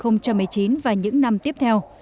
năm hai nghìn một mươi chín và những năm tiếp theo